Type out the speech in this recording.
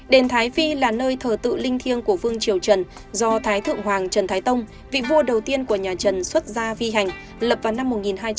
đền thái phi là nơi thờ tự linh thiêng của vương triều trần do thái thượng hoàng trần thái tông vị vua đầu tiên của nhà trần xuất gia vi hành lập vào năm một nghìn chín trăm bảy mươi